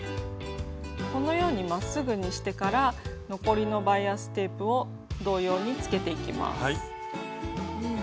このようにまっすぐにしてから残りのバイアステープを同様につけていきます。